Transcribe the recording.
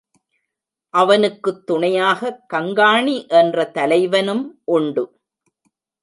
அவனுக்குத் துணையாகக் கங்காணி என்ற தலைவனும் உண்டு.